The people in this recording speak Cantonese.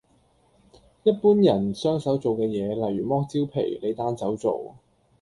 一般人雙手做嘅嘢，例如剝蕉皮，你單手做